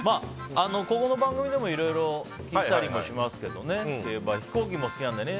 ここの番組でもいろいろ聞いたりしますけど飛行機も好きなんだよね